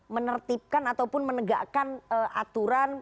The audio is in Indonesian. menertibkan ataupun menegakkan aturan